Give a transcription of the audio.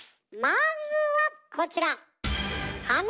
まずはこちら！